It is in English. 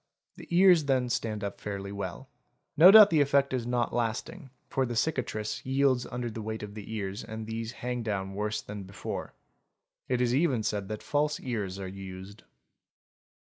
The ears then stand up fairly well. No doubt the effect is not lasting, for | the cicatrice yields under the weight of the ears and these hang down worse than before. It is even said that false ears are used.